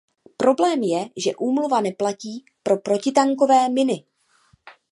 Problém je, že úmluva neplatí pro protitankové miny.